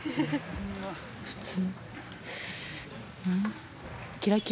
普通。